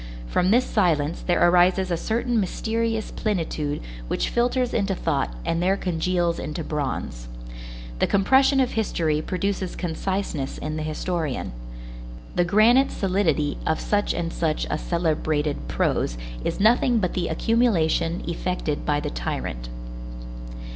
From this silence there arises a certain mysterious plenitude which filters into thought and there congeals into bronze. The compression of history produces conciseness in the historian. The granite solidity of such and such a celebrated prose is nothing but the accumulation effected by the tyrant.